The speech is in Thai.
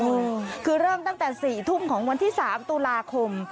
โอ้โหคือเริ่มตั้งแต่สี่ทุ่มของวันที่สามตุราคม